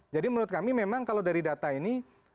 jadi menurut kami memang kalau dari data ini